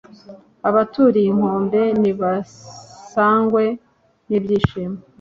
abaturiye inkombe nibasagwe n’ibyishimo